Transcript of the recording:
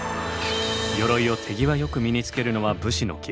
鎧を手際よく身につけるのは武士の基本のはず。